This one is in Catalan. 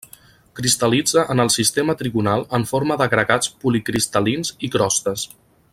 Cristal·litza en el sistema trigonal en forma d'agregats policristal·lins i crostes.